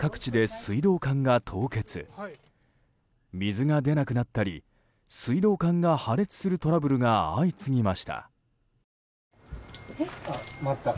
水が出なくなったり水道管が破裂するトラブルが相次ぎました。